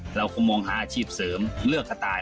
เราก็มองหาอาชีพเสริมเลือกสไตล์